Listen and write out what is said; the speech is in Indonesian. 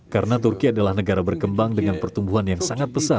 karena turki adalah negara berkembang dengan pertumbuhan yang sangat besar